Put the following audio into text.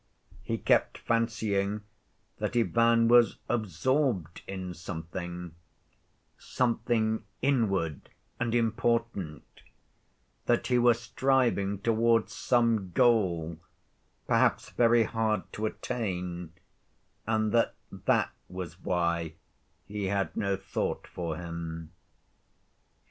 He kept fancying that Ivan was absorbed in something—something inward and important—that he was striving towards some goal, perhaps very hard to attain, and that that was why he had no thought for him.